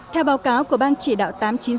theo báo cáo của ban chỉ đạo tám trăm chín mươi sáu